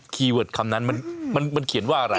เวิร์ดคำนั้นมันเขียนว่าอะไร